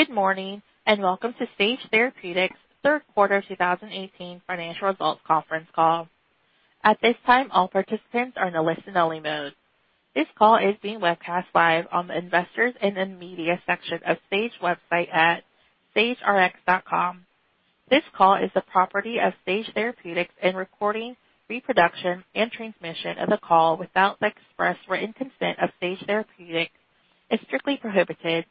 Good morning. Welcome to Sage Therapeutics' third quarter 2018 financial results conference call. At this time, all participants are in a listen-only mode. This call is being webcast live on the Investors and Media section of Sage website at sagerx.com. This call is the property of Sage Therapeutics. Recording, reproduction, and transmission of the call without the express written consent of Sage Therapeutics is strictly prohibited.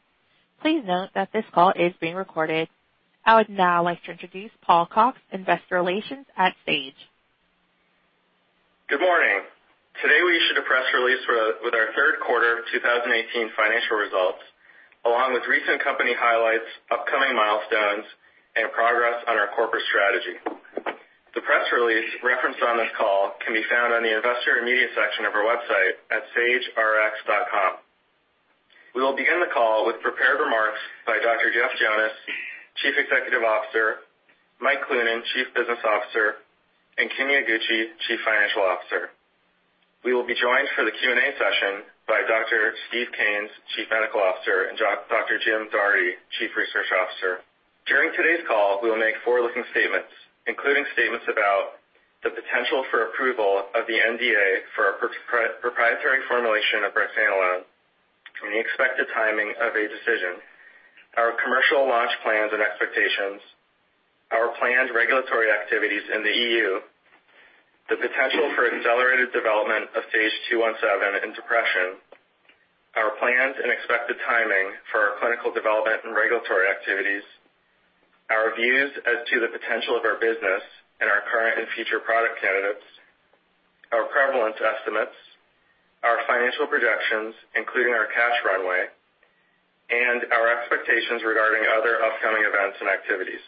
Please note that this call is being recorded. I would now like to introduce Paul Cox, investor relations at Sage. Good morning. Today, we issued a press release with our third quarter 2018 financial results, along with recent company highlights, upcoming milestones, and progress on our corporate strategy. The press release referenced on this call can be found on the Investor and Media section of our website at sagerx.com. We will begin the call with prepared remarks by Dr. Jeff Jonas, Chief Executive Officer, Mike Cloonan, Chief Business Officer, and Kimi Iguchi, Chief Financial Officer. We will be joined for the Q&A session by Dr. Steve Kanes, Chief Medical Officer, and Dr. Jim Doherty, Chief Research Officer. During today's call, we will make forward-looking statements, including statements about the potential for approval of the NDA for our proprietary formulation of brexanolone and the expected timing of a decision, our commercial launch plans and expectations, our planned regulatory activities in the EU, the potential for accelerated development of SAGE-217 in depression, our plans and expected timing for our clinical development and regulatory activities, our views as to the potential of our business and our current and future product candidates, our prevalence estimates, our financial projections, including our cash runway, and our expectations regarding other upcoming events and activities.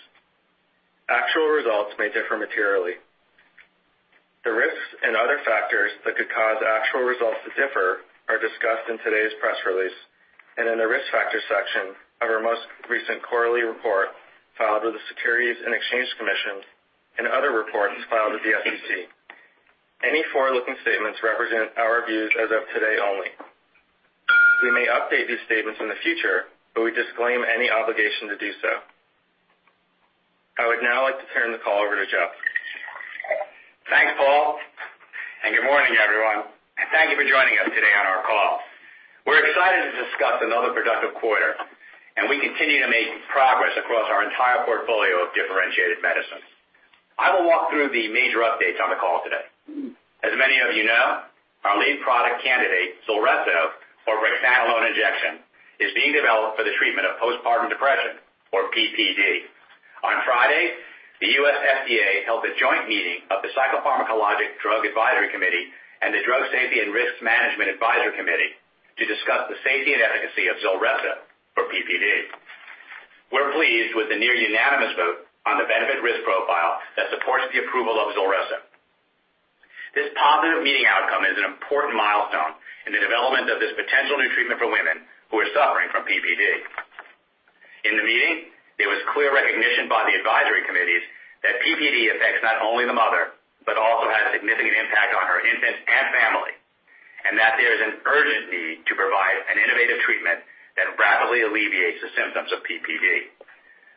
Actual results may differ materially. The risks and other factors that could cause actual results to differ are discussed in today's press release and in the Risk Factors section of our most recent quarterly report filed with the Securities and Exchange Commission and other reports filed with the SEC. Any forward-looking statements represent our views as of today only. We may update these statements in the future. We disclaim any obligation to do so. I would now like to turn the call over to Jeff. Thanks, Paul. Good morning, everyone. Thank you for joining us today on our call. We are excited to discuss another productive quarter, and we continue to make progress across our entire portfolio of differentiated medicines. I will walk through the major updates on the call today. As many of you know, our lead product candidate, ZULRESSO, or brexanolone injection, is being developed for the treatment of postpartum depression or PPD. On Friday, the U.S. FDA held a joint meeting of the Psychopharmacologic Drugs Advisory Committee and the Drug Safety and Risk Management Advisory Committee to discuss the safety and efficacy of ZULRESSO for PPD. We are pleased with the near unanimous vote on the benefit risk profile that supports the approval of ZULRESSO. This positive meeting outcome is an important milestone in the development of this potential new treatment for women who are suffering from PPD. In the meeting, there was clear recognition by the advisory committees that PPD affects not only the mother but also has a significant impact on her infant and family, and that there is an urgent need to provide an innovative treatment that rapidly alleviates the symptoms of PPD.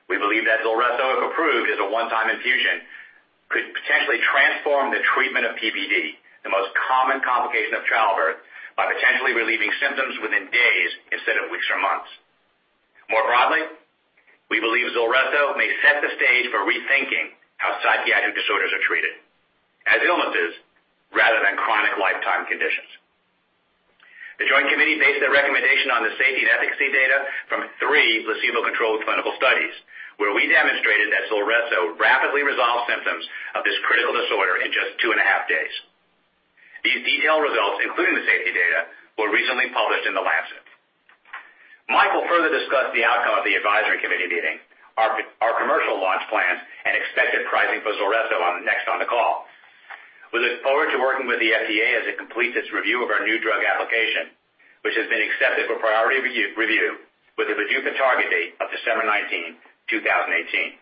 We believe that ZULRESSO, if approved as a one-time infusion, could potentially transform the treatment of PPD, the most common complication of childbirth, by potentially relieving symptoms within days instead of weeks or months. More broadly, we believe ZULRESSO may set the stage for rethinking how psychiatric disorders are treated as illnesses rather than chronic lifetime conditions. The joint committee based their recommendation on the safety and efficacy data from three placebo-controlled clinical studies, where we demonstrated that ZULRESSO rapidly resolved symptoms of this critical disorder in just two and a half days. These detailed results, including the safety data, were recently published in The Lancet. Mike will further discuss the outcome of the advisory committee meeting, our commercial launch plans, and expected pricing for ZULRESSO next on the call. We look forward to working with the FDA as it completes its review of our new drug application, which has been accepted for priority review with a PDUFA target date of December 19, 2018.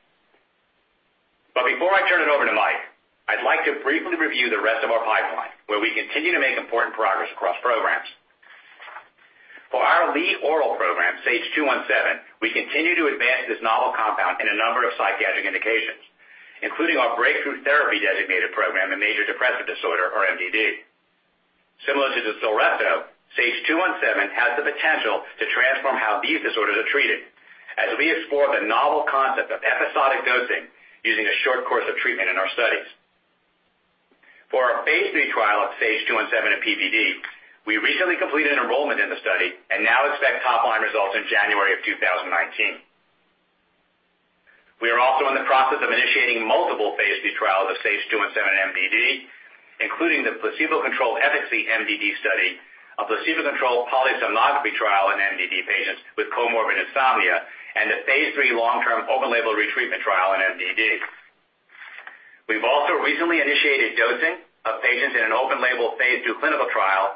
Before I turn it over to Mike, I'd like to briefly review the rest of our pipeline, where we continue to make important progress across programs. For our lead oral program, SAGE-217, we continue to advance this novel compound in a number of psychiatric indications, including our breakthrough therapy-designated program in major depressive disorder or MDD. Similar to ZULRESSO, SAGE-217 has the potential to transform how these disorders are treated as we explore the novel concept of episodic dosing using a short course of treatment in our studies. For our phase III trial of SAGE-217 in PPD, we recently completed enrollment in the study and now expect top-line results in January of 2019. We are also in the process of initiating multiple phase III trials of SAGE-217 in MDD, including the placebo-controlled efficacy MDD study, a placebo-controlled polysomnography trial in MDD patients with comorbid insomnia, and a phase III long-term open-label retreatment trial in MDD. We've also recently initiated dosing of patients in an open-label phase II clinical trial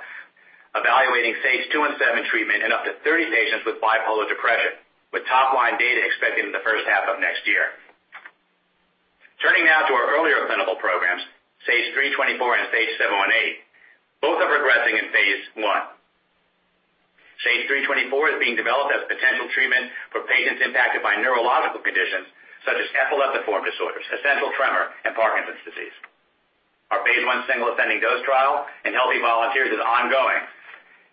evaluating SAGE-217 treatment in up to 30 patients with bipolar depression, with top-line data expected in the first half of next year. SAGE-718. Both are progressing in phase I. SAGE-324 is being developed as a potential treatment for patients impacted by neurological conditions such as epileptiform disorders, essential tremor, and Parkinson's disease. Our phase I single ascending dose trial in healthy volunteers is ongoing,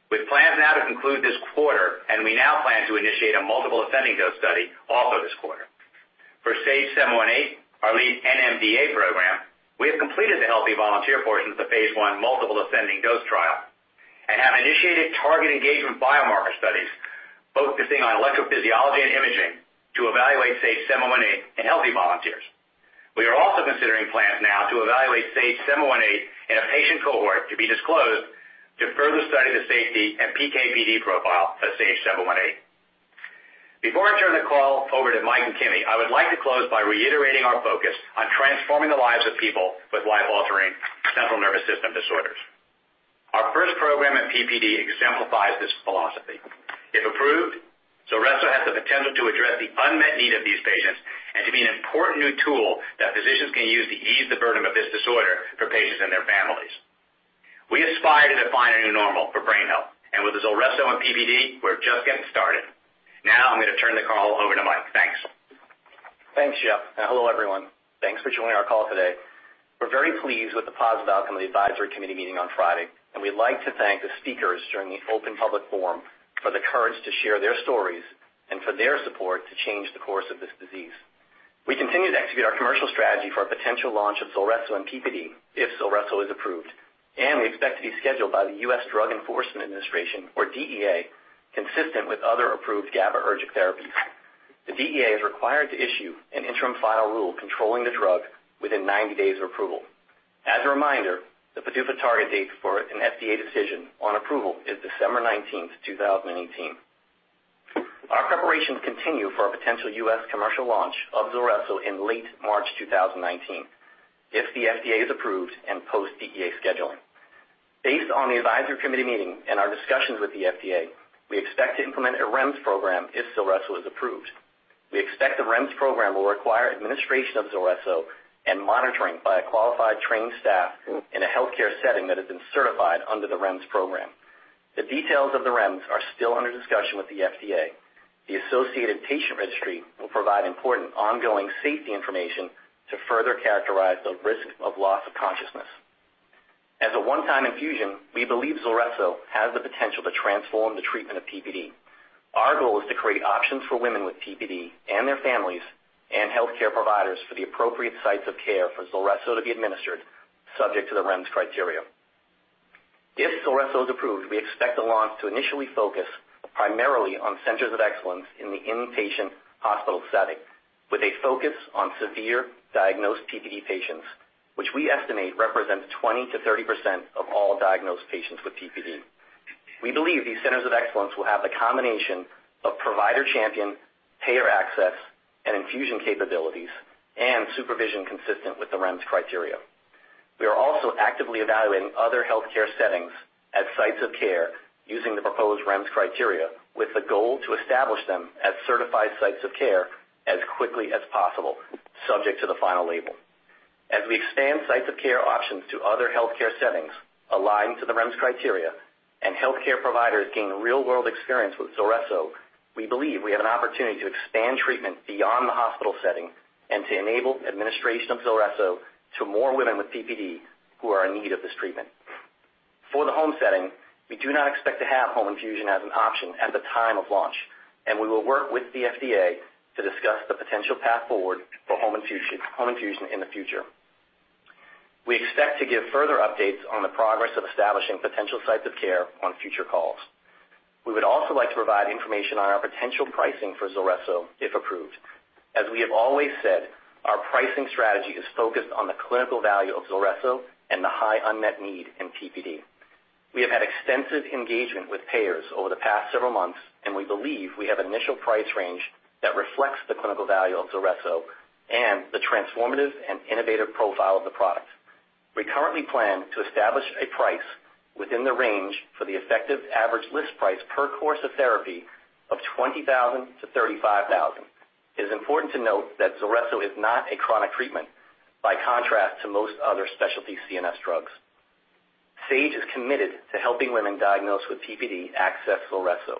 with plans now to conclude this quarter. We now plan to initiate a multiple ascending dose study also this quarter. For SAGE-718, our lead NMDA program, we have completed the healthy volunteer portions of phase I multiple ascending dose trial and have initiated target engagement biomarker studies focusing on electrophysiology and imaging to evaluate SAGE-718 in healthy volunteers. We are also considering plans now to evaluate SAGE-718 in a patient cohort to be disclosed to further study the safety and PK/PD profile of SAGE-718. Before I turn the call over to Mike and Kimi, I would like to close by reiterating our focus on transforming the lives of people with life-altering central nervous system disorders. Our first program at PPD exemplifies this philosophy. If approved, ZULRESSO has the potential to address the unmet need of these patients and to be an important new tool that physicians can use to ease the burden of this disorder for patients and their families. We aspire to define a new normal for brain health. With ZULRESSO and PPD, we're just getting started. Now I'm going to turn the call over to Mike. Thanks. Thanks, Jeff. Hello, everyone. Thanks for joining our call today. We're very pleased with the positive outcome of the advisory committee meeting on Friday. We'd like to thank the speakers during the open public forum for the courage to share their stories and for their support to change the course of this disease. We continue to execute our commercial strategy for a potential launch of ZULRESSO and PPD if ZULRESSO is approved. We expect to be scheduled by the U.S. Drug Enforcement Administration, or DEA, consistent with other approved GABAergic therapies. The DEA is required to issue an interim final rule controlling the drug within 90 days of approval. As a reminder, the PDUFA target date for an FDA decision on approval is December 19th, 2018. Our preparations continue for a potential U.S. commercial launch of ZULRESSO in late March 2019 if the FDA is approved and post-DEA scheduling. Based on the advisory committee meeting and our discussions with the FDA, we expect to implement a REMS program if ZULRESSO is approved. We expect the REMS program will require administration of ZULRESSO and monitoring by a qualified trained staff in a healthcare setting that has been certified under the REMS program. The details of the REMS are still under discussion with the FDA. The associated patient registry will provide important ongoing safety information to further characterize the risk of loss of consciousness. As a one-time infusion, we believe ZULRESSO has the potential to transform the treatment of PPD. Our goal is to create options for women with PPD and their families and healthcare providers for the appropriate sites of care for ZULRESSO to be administered, subject to the REMS criteria. If ZULRESSO is approved, we expect the launch to initially focus primarily on centers of excellence in the inpatient hospital setting, with a focus on severe diagnosed PPD patients, which we estimate represents 20%-30% of all diagnosed patients with PPD. We believe these centers of excellence will have the combination of provider champion, payer access, and infusion capabilities, and supervision consistent with the REMS criteria. We are also actively evaluating other healthcare settings as sites of care using the proposed REMS criteria, with the goal to establish them as certified sites of care as quickly as possible, subject to the final label. As we expand sites of care options to other healthcare settings aligned to the REMS criteria and healthcare providers gain real-world experience with ZULRESSO, we believe we have an opportunity to expand treatment beyond the hospital setting and to enable administration of ZULRESSO to more women with PPD who are in need of this treatment. For the home setting, we do not expect to have home infusion as an option at the time of launch, and we will work with the FDA to discuss the potential path forward for home infusion in the future. We expect to give further updates on the progress of establishing potential sites of care on future calls. We would also like to provide information on our potential pricing for ZULRESSO if approved. As we have always said, our pricing strategy is focused on the clinical value of ZULRESSO and the high unmet need in PPD. We have had extensive engagement with payers over the past several months, and we believe we have initial price range that reflects the clinical value of ZULRESSO and the transformative and innovative profile of the product. We currently plan to establish a price within the range for the effective average list price per course of therapy of $20,000-$35,000. It is important to note that ZULRESSO is not a chronic treatment, by contrast to most other specialty CNS drugs. Sage is committed to helping women diagnosed with PPD access ZULRESSO.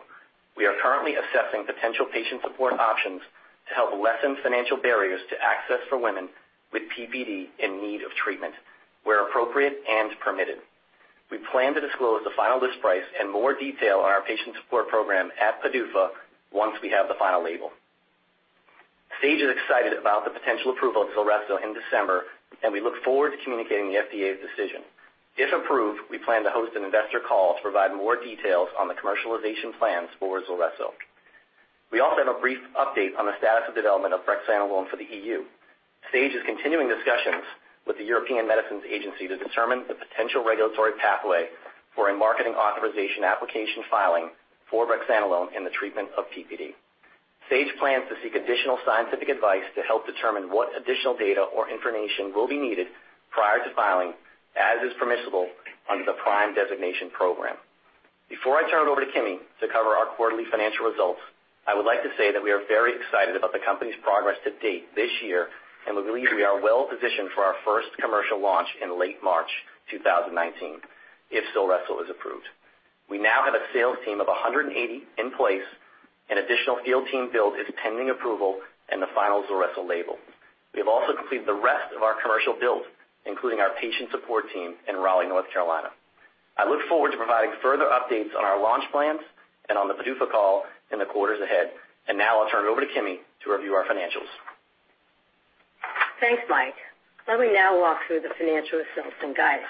We are currently assessing potential patient support options to help lessen financial barriers to access for women with PPD in need of treatment, where appropriate and permitted. We plan to disclose the final list price and more detail on our patient support program at PDUFA once we have the final label. Sage is excited about the potential approval of ZULRESSO in December, and we look forward to communicating the FDA's decision. If approved, we plan to host an investor call to provide more details on the commercialization plans for ZULRESSO. We also have a brief update on the status of development of brexanolone for the EU. Sage is continuing discussions with the European Medicines Agency to determine the potential regulatory pathway for a marketing authorization application filing for brexanolone in the treatment of PPD. Sage plans to seek additional scientific advice to help determine what additional data or information will be needed prior to filing, as is permissible under the PRIME Designation program. Before I turn it over to Kimmy to cover our quarterly financial results, I would like to say that we are very excited about the company's progress to date this year, and we believe we are well-positioned for our first commercial launch in late March 2019, if ZULRESSO is approved. We now have a sales team of 180 in place. An additional field team build is pending approval and the final ZULRESSO label. We have also completed the rest of our commercial build, including our patient support team in Raleigh, North Carolina. I look forward to providing further updates on our launch plans and on the PDUFA call in the quarters ahead. Now I'll turn it over to Kimmy to review our financials. Thanks, Mike. Let me now walk through the financial results and guidance.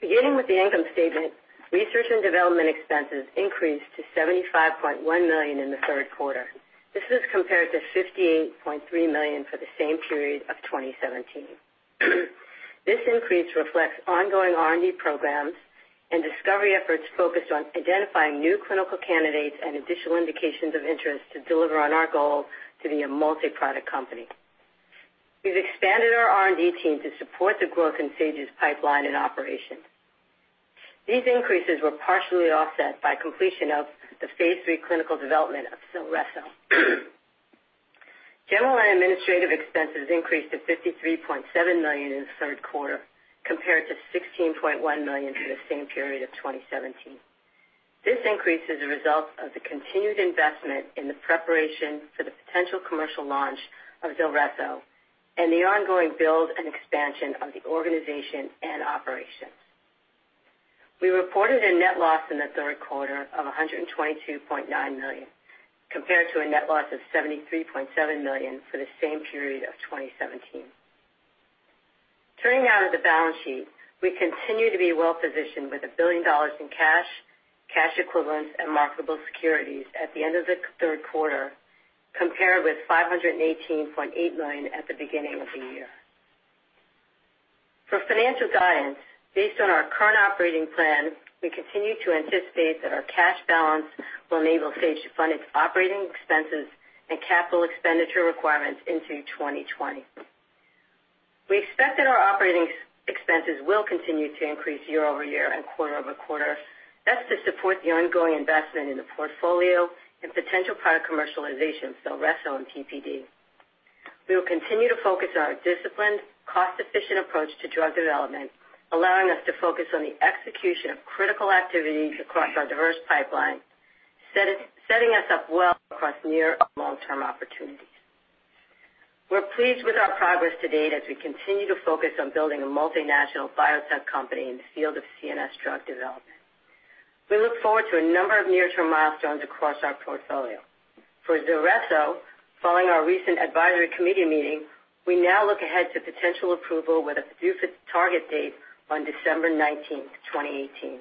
Beginning with the income statement, research and development expenses increased to $75.1 million in the third quarter. This is compared to $58.3 million for the same period of 2017. This increase reflects ongoing R&D programs and discovery efforts focused on identifying new clinical candidates and additional indications of interest to deliver on our goal to be a multi-product company. We've expanded our R&D team to support the growth in Sage's pipeline and operations. These increases were partially offset by completion of the phase III clinical development of ZULRESSO. General and administrative expenses increased to $53.7 million in the third quarter, compared to $16.1 million for the same period of 2017. This increase is a result of the continued investment in the preparation for the potential commercial launch of ZULRESSO and the ongoing build and expansion of the organization and operations. We reported a net loss in the third quarter of $122.9 million, compared to a net loss of $73.7 million for the same period of 2017. Turning now to the balance sheet. We continue to be well-positioned with $1 billion in cash equivalents, and marketable securities at the end of the third quarter, compared with $518.8 million at the beginning of the year. For financial guidance, based on our current operating plan, we continue to anticipate that our cash balance will enable Sage to fund its operating expenses and capital expenditure requirements into 2020. We expect that our operating expenses will continue to increase year-over-year and quarter-over-quarter. That's to support the ongoing investment in the portfolio and potential product commercialization of ZULRESSO and PPD. We will continue to focus on our disciplined, cost-efficient approach to drug development, allowing us to focus on the execution of critical activities across our diverse pipeline, setting us up well across near and long-term opportunities. We're pleased with our progress to date as we continue to focus on building a multinational biotech company in the field of CNS drug development. We look forward to a number of near-term milestones across our portfolio. For ZULRESSO, following our recent advisory committee meeting, we now look ahead to potential approval with a PDUFA target date on December 19th, 2018.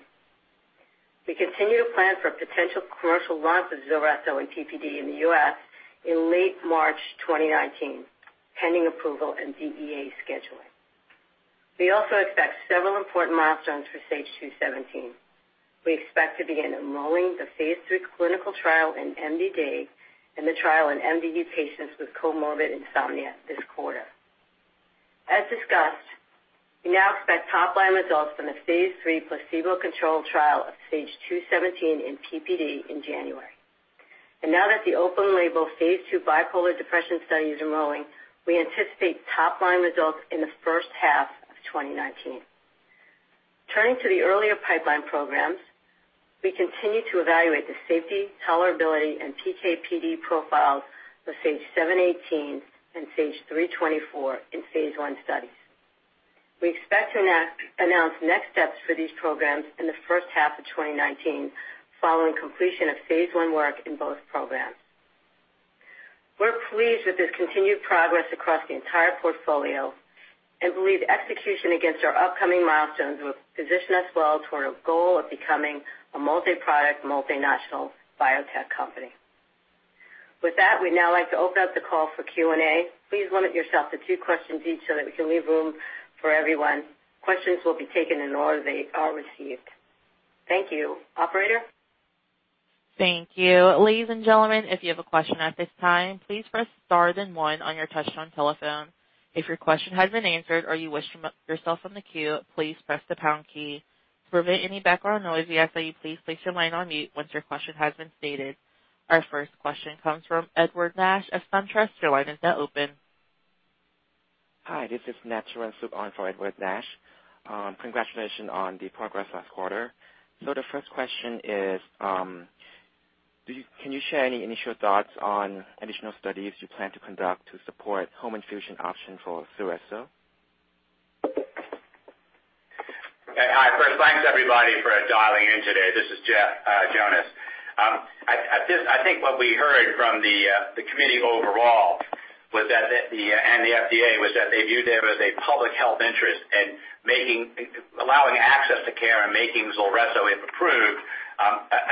We continue to plan for potential commercial launch of ZULRESSO and PPD in the U.S. in late March 2019, pending approval and DEA scheduling. We also expect several important milestones for SAGE-217. We expect to begin enrolling the phase III clinical trial in MDD and the trial in MDD patients with comorbid insomnia this quarter. As discussed, we now expect top-line results from the phase III placebo-controlled trial of SAGE-217 in PPD in January. Now that the open-label phase II bipolar depression study is enrolling, we anticipate top-line results in the first half of 2019. Turning to the earlier pipeline programs, we continue to evaluate the safety, tolerability, and PK/PD profiles for SAGE-718 and SAGE-324 in phase I studies. We expect to announce next steps for these programs in the first half of 2019 following completion of phase I work in both programs. We're pleased with this continued progress across the entire portfolio and believe execution against our upcoming milestones will position us well toward our goal of becoming a multi-product, multinational biotech company. With that, we'd now like to open up the call for Q&A. Please limit yourself to two questions each so that we can leave room for everyone. Questions will be taken in the order they are received. Thank you. Operator? Thank you. Ladies and gentlemen, if you have a question at this time, please press star then one on your touchtone telephone. If your question has been answered or you wish yourself from the queue, please press the pound key. To prevent any background noise, we ask that you please place your line on mute once your question has been stated. Our first question comes from Edward Nash of SunTrust. Your line is now open. Hi, this is Nat Sewell on for Edward Nash. Congratulations on the progress last quarter. The first question is, can you share any initial thoughts on additional studies you plan to conduct to support home infusion option for ZULRESSO? Hi. First, thanks, everybody, for dialing in today. This is Jeff Jonas. I think what we heard from the committee overall and the FDA was that they viewed it as a public health interest in allowing access to care and making ZULRESSO, if approved,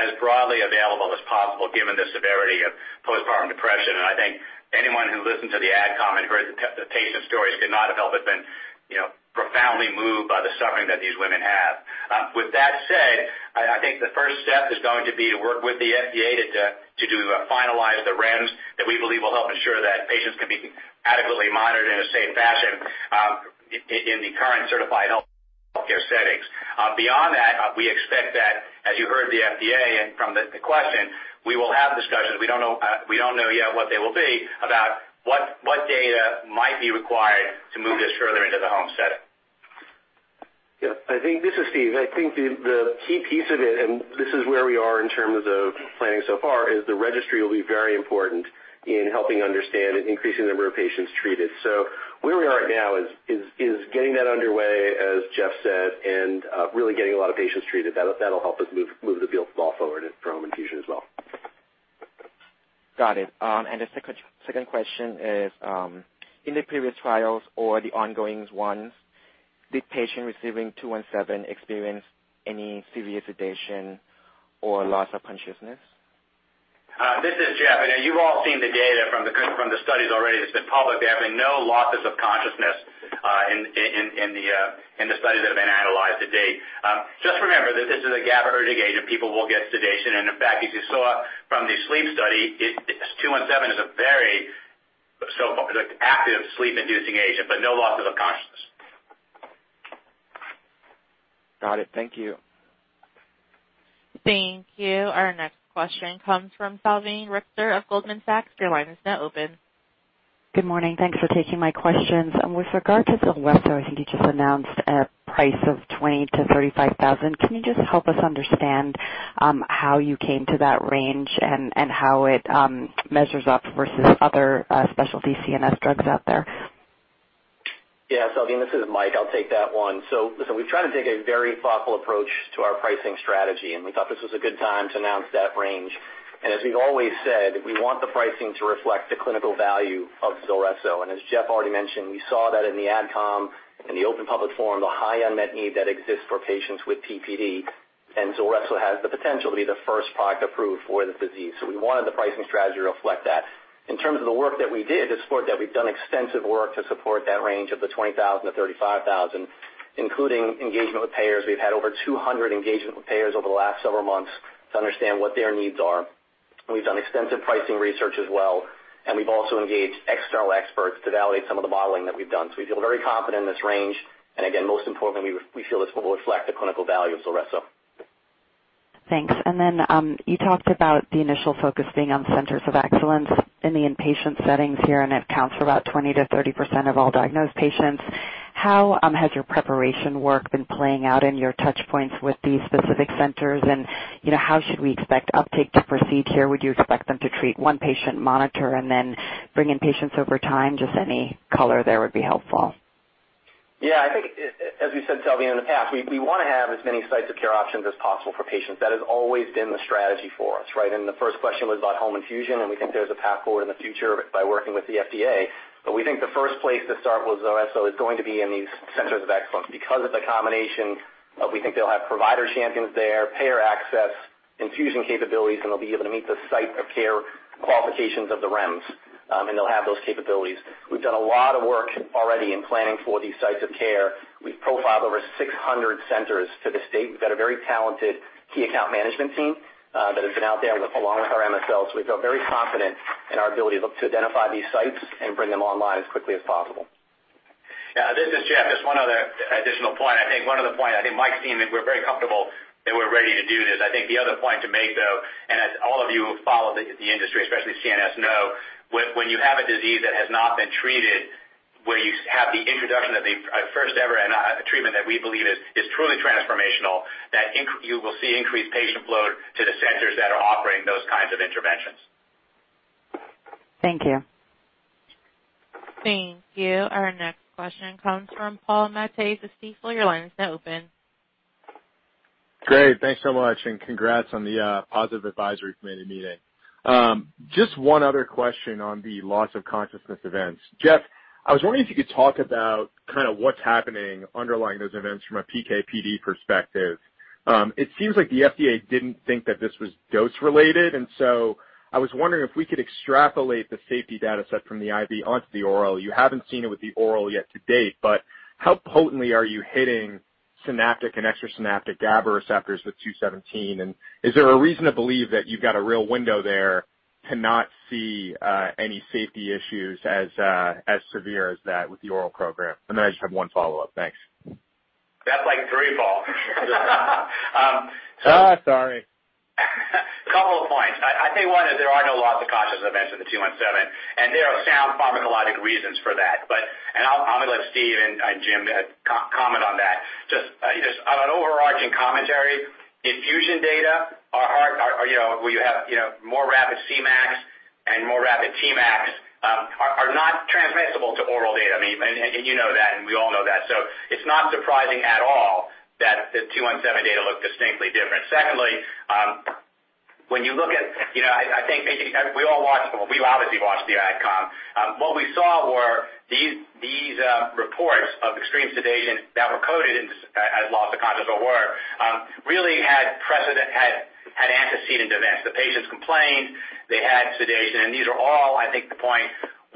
as broadly available as possible given the severity of postpartum depression. I think anyone who listened to the AdCom and heard the patient stories could not have helped but been profoundly moved by the suffering that these women have. With that said, I think the first step is going to be to work with the FDA to finalize the REMS that we believe will help ensure that patients can be adequately monitored in a safe fashion. In the current certified healthcare settings. Beyond that, we expect that, as you heard the FDA and from the question, we will have discussions. We don't know yet what they will be, about what data might be required to move this further into the home setting. Yeah. This is Steve. I think the key piece of it, and this is where we are in terms of planning so far, is the registry will be very important in helping understand an increasing number of patients treated. Where we are right now is getting that underway, as Jeff said, and really getting a lot of patients treated. That'll help us move the field ball forward for home infusion as well. Got it. The second question is, in the previous trials or the ongoing ones, did patients receiving 217 experience any serious sedation or loss of consciousness? This is Jeff. You've all seen the data from the studies already that's been public. There have been no losses of consciousness in the studies that have been analyzed to date. Just remember that this is a GABAergic agent. People will get sedation, and in fact, as you saw from the sleep study, 217 is a very active sleep-inducing agent, but no losses of consciousness. Got it. Thank you. Thank you. Our next question comes from Salveen Richter of Goldman Sachs. Your line is now open. Good morning. Thanks for taking my questions. With regard to ZULRESSO, I think you just announced a price of $20,000-$35,000. Can you just help us understand how you came to that range and how it measures up versus other specialty CNS drugs out there? Yeah, Salveen, this is Mike. I'll take that one. Listen, we've tried to take a very thoughtful approach to our pricing strategy, and we thought this was a good time to announce that range. As we've always said, we want the pricing to reflect the clinical value of ZULRESSO. As Jeff already mentioned, we saw that in the AdCom and the open public forum, the high unmet need that exists for patients with PPD and ZULRESSO has the potential to be the first product approved for the disease. We wanted the pricing strategy to reflect that. In terms of the work that we did to support that, we've done extensive work to support that range of the $20,000-$35,000, including engagement with payers. We've had over 200 engagements with payers over the last several months to understand what their needs are. We've done extensive pricing research as well. We've also engaged external experts to validate some of the modeling that we've done. We feel very confident in this range, and again, most importantly, we feel this will reflect the clinical value of ZULRESSO. Thanks. Then, you talked about the initial focus being on centers of excellence in the inpatient settings here, and it accounts for about 20%-30% of all diagnosed patients. How has your preparation work been playing out in your touch points with these specific centers, and how should we expect uptake to proceed here? Would you expect them to treat one patient, monitor, and then bring in patients over time? Just any color there would be helpful. Yeah, I think as we said, Salveen, in the past, we want to have as many sites of care options as possible for patients. That has always been the strategy for us. Right. The first question was about home infusion, and we think there's a path forward in the future by working with the FDA. We think the first place to start with ZULRESSO is going to be in these centers of excellence. Because of the combination, we think they'll have provider champions there, payer access, infusion capabilities, and they'll be able to meet the site of care qualifications of the REMS. They'll have those capabilities. We've done a lot of work already in planning for these sites of care. We've profiled over 600 centers to this date. We've got a very talented key account management team that has been out there along with our MSLs. We feel very confident in our ability to look to identify these sites and bring them online as quickly as possible. Yeah, this is Jeff. Just one other additional point. I think one other point, I think Mike's team, we're very comfortable that we're ready to do this. I think the other point to make, though, as all of you who follow the industry, especially CNS, know, when you have a disease that has not been treated, where you have the introduction of a first-ever treatment that we believe is truly transformational, that you will see increased patient flow to the centers that are offering those kinds of interventions. Thank you. Thank you. Our next question comes from Paul Matteis with Stifel. Your line is now open. Great. Thanks so much and congrats on the positive advisory committee meeting. Just one other question on the loss of consciousness events. Jeff, I was wondering if you could talk about what's happening underlying those events from a PK/PD perspective. It seems like the FDA didn't think that this was dose-related. I was wondering if we could extrapolate the safety data set from the IV onto the oral. You haven't seen it with the oral yet to date, but how potently are you hitting synaptic and extrasynaptic GABA receptors with two 17? Is there a reason to believe that you've got a real window there to not see any safety issues as severe as that with the oral program? I just have one follow-up. Thanks. That's like three, Paul. Sorry. A couple of points. I tell you one is there are no loss of consciousness events with the SAGE-217, and there are sound pharmacologic reasons for that. I'm going to let Steve and Jim comment on that. Just on an overarching commentary, infusion data where you have more rapid Cmax and more rapid Tmax, are not transmissible to oral data. You know that, and we all know that. It's not surprising at all that the SAGE-217 data looked distinctly different. Secondly, we obviously watched the AdCom. What we saw were these reports of extreme sedation that were coded as loss of consciousness or really had antecedent events. The patients complained, they had sedation, and these are all, I think the point,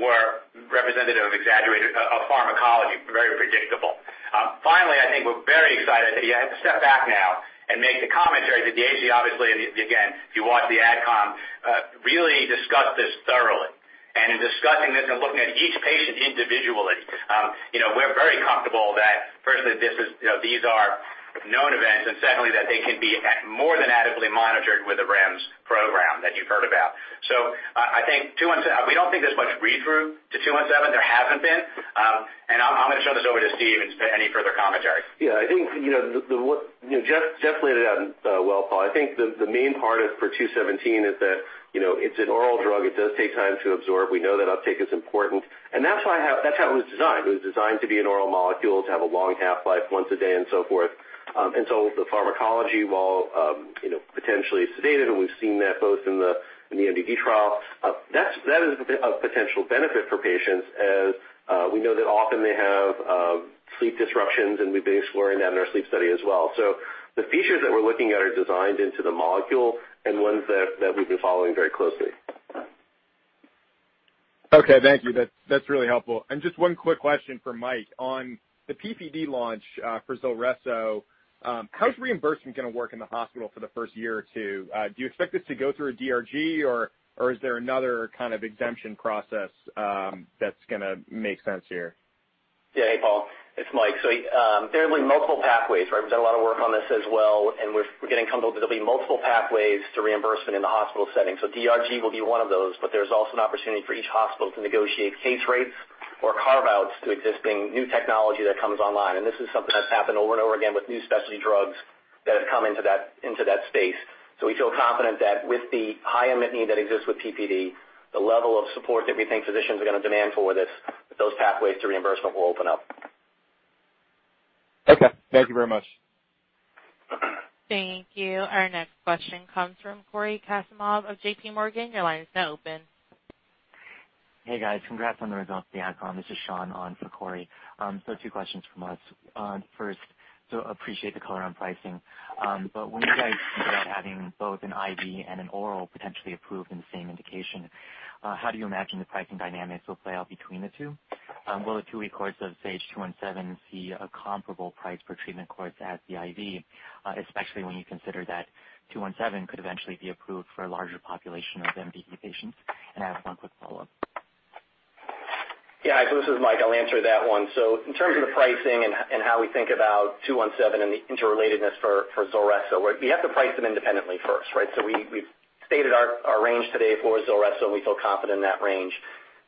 were representative of pharmacology, very predictable. Finally, I think we're very excited. You have to step back now and make the commentary that the agency, obviously, and again, if you watch the AdCom, really discussed this thoroughly. In discussing this and looking at each patient individually, we're very comfortable that firstly these are known events, and secondly, that they can be more than adequately monitored with the REMS program that you've heard about. We don't think there's much read-through to SAGE-217. There hasn't been. I'm going to turn this over to Steve for any further commentary. Yeah. Jeff laid it out well, Paul. I think the main part for SAGE-217 is that it's an oral drug. It does take time to absorb. We know that uptake is important, and that's how it was designed. It was designed to be an oral molecule, to have a long half-life once a day and so forth. The pharmacology, while potentially sedated, and we've seen that both in the MDD trial, that is a potential benefit for patients as we know that often they have sleep disruptions, and we've been exploring that in our sleep study as well. The features that we're looking at are designed into the molecule and ones that we've been following very closely. Okay. Thank you. That's really helpful. Just one quick question for Mike on the PPD launch for ZULRESSO. How's reimbursement going to work in the hospital for the first year or two? Do you expect this to go through a DRG, or is there another kind of exemption process that's going to make sense here? Yeah. Hey, Paul. It's Mike. There will be multiple pathways, right? We've done a lot of work on this as well, and we're getting comfortable that there'll be multiple pathways to reimbursement in the hospital setting. DRG will be one of those, but there's also an opportunity for each hospital to negotiate case rates or carve-outs to existing new technology that comes online, and this is something that's happened over and over again with new specialty drugs that have come into that space. We feel confident that with the high unmet need that exists with PPD, the level of support that we think physicians are going to demand for this, those pathways to reimbursement will open up. Okay. Thank you very much. Thank you. Our next question comes from Cory Kasimov of JPMorgan. Your line is now open. Hey, guys. Congrats on the results of the AdCom. This is Sean on for Cory. Two questions from us. First, appreciate the color on pricing. When you guys think about having both an IV and an oral potentially approved in the same indication, how do you imagine the pricing dynamics will play out between the two? Will the two-week course of SAGE-217 see a comparable price per treatment course as the IV, especially when you consider that SAGE-217 could eventually be approved for a larger population of MDD patients? I have one quick follow-up. Yeah. This is Mike. I'll answer that one. In terms of the pricing and how we think about SAGE-217 and the interrelatedness for ZULRESSO, we have to price them independently first, right? We've stated our range today for ZULRESSO, and we feel confident in that range.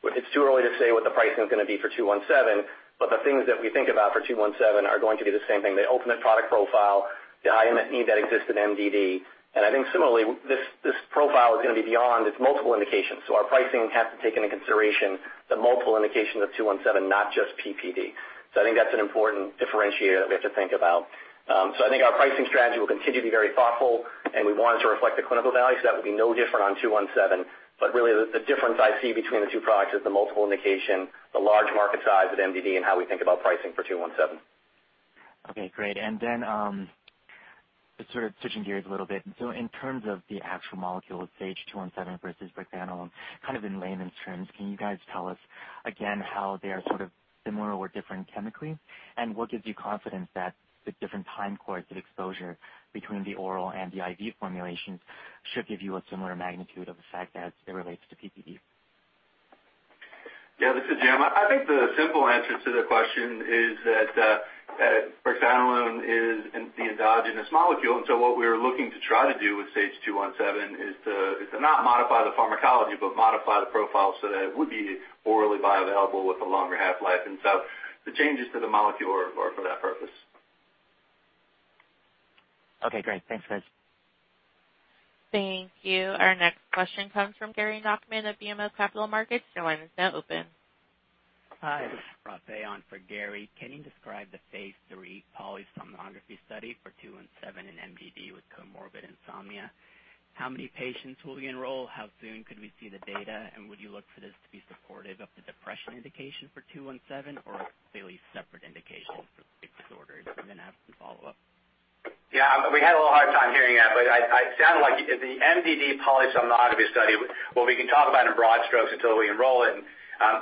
It's too early to say what the pricing's going to be for SAGE-217, but the things that we think about for SAGE-217 are going to be the same thing. The ultimate product profile, the unmet need that exists in MDD. I think similarly, this profile is going to be beyond. It's multiple indications. Our pricing has to take into consideration the multiple indications of SAGE-217, not just PPD. I think that's an important differentiator that we have to think about. I think our pricing strategy will continue to be very thoughtful, and we want it to reflect the clinical value, so that would be no different on SAGE-217. Really, the difference I see between the two products is the multiple indication, the large market size with MDD, and how we think about pricing for SAGE-217. Okay, great. Then, sort of switching gears a little bit. In terms of the actual molecule of SAGE-217 versus brexanolone, kind of in layman's terms, can you guys tell us again how they are sort of similar or different chemically? What gives you confidence that the different time course of exposure between the oral and the IV formulations should give you a similar magnitude of effect as it relates to PPD? Yeah, this is Jim. I think the simple answer to the question is that brexanolone is the endogenous molecule, and what we were looking to try to do with SAGE-217 is to not modify the pharmacology but modify the profile so that it would be orally bioavailable with a longer half-life. The changes to the molecule are for that purpose. Okay, great. Thanks, guys. Thank you. Our next question comes from Gary Nachman of BMO Capital Markets. Your line is now open. Hi. This is Brad Fay on for Gary. Can you describe the phase III polysomnography study for 217 in MDD with comorbid insomnia? How many patients will we enroll? How soon could we see the data? Would you look for this to be supportive of the depression indication for 217 or a completely separate indication for sleep disorders? I have some follow-up. Yeah, we had a little hard time hearing that, it sounded like the MDD polysomnography study. What we can talk about in broad strokes until we enroll it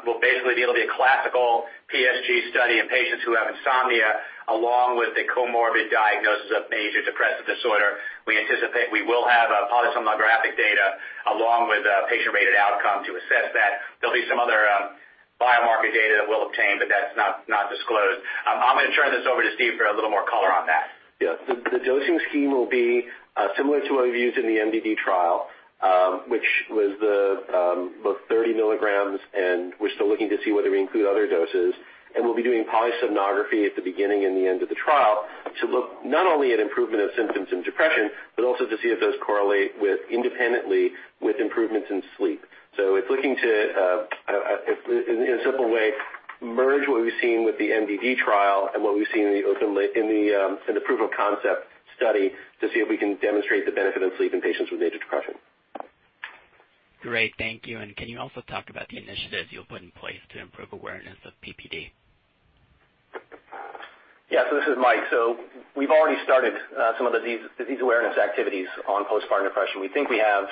will basically be it'll be a classical PSG study in patients who have insomnia along with a comorbid diagnosis of major depressive disorder. We anticipate we will have polysomnographic data along with a patient-rated outcome to assess that. That's not disclosed. I'm going to turn this over to Steve for a little more color on that. The dosing scheme will be similar to what we've used in the MDD trial, which was the 30 milligrams, and we're still looking to see whether we include other doses. We'll be doing polysomnography at the beginning and the end of the trial to look not only at improvement of symptoms in depression but also to see if those correlate independently with improvements in sleep. It's looking to, in a simple way, merge what we've seen with the MDD trial and what we've seen in the proof of concept study to see if we can demonstrate the benefit of sleep in patients with major depression. Great. Thank you. Can you also talk about the initiatives you'll put in place to improve awareness of PPD? This is Mike. We've already started some of the disease awareness activities on postpartum depression. We think we have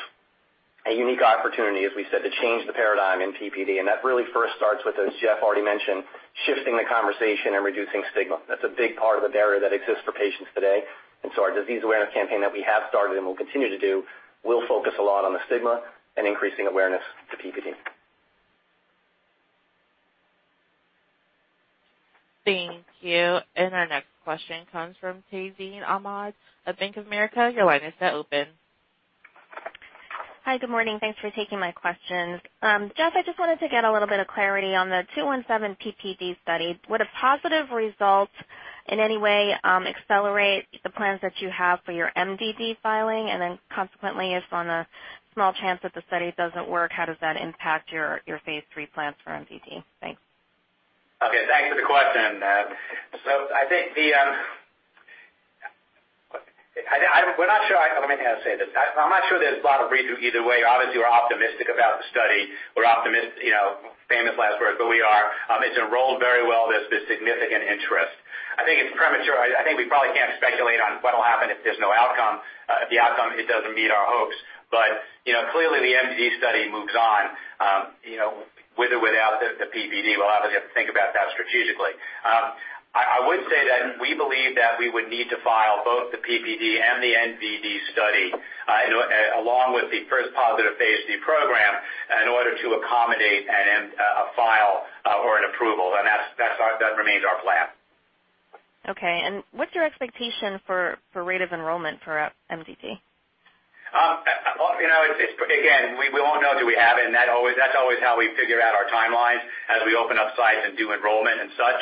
a unique opportunity, as we said, to change the paradigm in PPD. That really first starts with, as Jeff already mentioned, shifting the conversation and reducing stigma. That's a big part of the barrier that exists for patients today. Our disease awareness campaign that we have started and will continue to do will focus a lot on the stigma and increasing awareness to PPD. Thank you. Our next question comes from Tazeen Ahmad of Bank of America. Your line is now open. Hi. Good morning. Thanks for taking my questions. Jeff, I just wanted to get a little bit of clarity on the SAGE-217 PPD study. Would a positive result in any way accelerate the plans that you have for your MDD filing? Consequently, if on a small chance that the study doesn't work, how does that impact your phase III plans for MDD? Thanks. Thanks for the question. We're not sure. Let me say this. I'm not sure there's a lot of redo either way. Obviously, we're optimistic about the study. We're optimistic, famous last words, but we are. It's enrolled very well. There's been significant interest. I think it's premature. I think we probably can't speculate on what'll happen if there's no outcome, if the outcome doesn't meet our hopes. Clearly the MDD study moves on with or without the PPD. We'll obviously have to think about that strategically. I would say that we believe that we would need to file both the PPD and the MDD study along with the first positive phase II program in order to accommodate a file or an approval. That remains our plan. What's your expectation for rate of enrollment for MDD? Again, we won't know till we have it, and that's always how we figure out our timelines as we open up sites and do enrollment and such.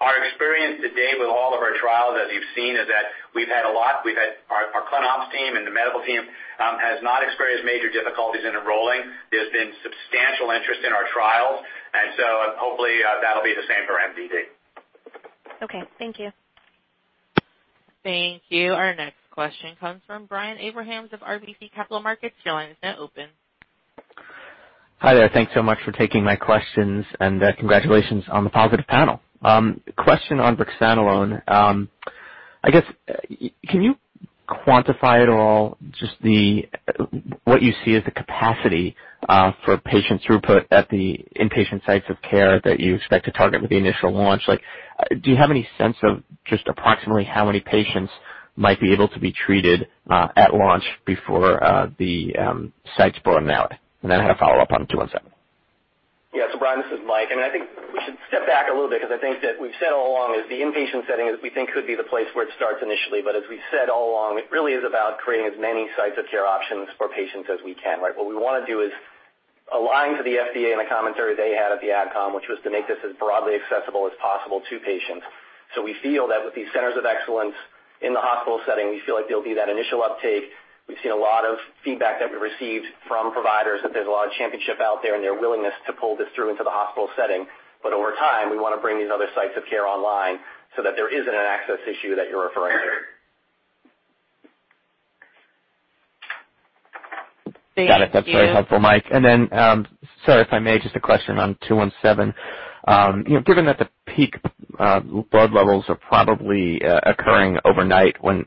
Our experience to date with all of our trials, as you've seen, is that we've had a lot. Our clin ops team and the medical team has not experienced major difficulties in enrolling. There's been substantial interest in our trials, hopefully that'll be the same for MDD. Okay. Thank you. Thank you. Our next question comes from Brian Abrahams of RBC Capital Markets. Your line is now open. Hi there. Thanks so much for taking my questions, and congratulations on the positive panel. Question on brexanolone. I guess, can you quantify at all just what you see as the capacity for patient throughput at the inpatient sites of care that you expect to target with the initial launch? Do you have any sense of just approximately how many patients might be able to be treated at launch before the sites burn out? Then I had a follow-up on 217. Yeah. Brian, this is Mike, and I think we should step back a little bit because I think that we've said all along is the inpatient setting is we think could be the place where it starts initially. As we've said all along, it really is about creating as many sites of care options for patients as we can, right? What we want to do is align to the FDA and the commentary they had at the AdCom, which was to make this as broadly accessible as possible to patients. We feel that with these centers of excellence in the hospital setting, we feel like there'll be that initial uptake. We've seen a lot of feedback that we received from providers, that there's a lot of championship out there and their willingness to pull this through into the hospital setting. Over time, we want to bring these other sites of care online so that there isn't an access issue that you're referring to. Thank you. Got it. That's very helpful, Mike. Then, sorry if I may, just a question on 217. Given that the peak blood levels are probably occurring overnight when